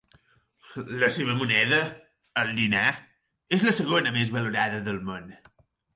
La seva moneda, el dinar, és la segona més valorada del món.